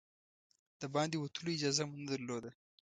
د باندې وتلو اجازه مو نه درلوده.